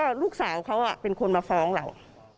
ลูกสาวเขาเป็นคนมาฟ้องเรา